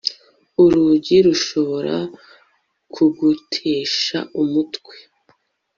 urugi rushobora kugutesha umutwe